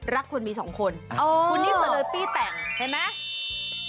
รักคนมี๒คนคุณนิกเสลตี้แต่งเห็นไหม